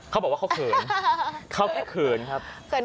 เขาบอกว่าเขาเขินเขาแค่เขินครับ